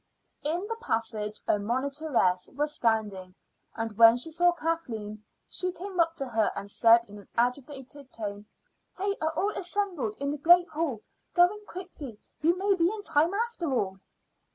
In the passage a monitress was standing, and when she saw Kathleen she came up to her and said in an agitated tone: "They are all assembled in the great hall. Go in quickly; you may be in time, after all."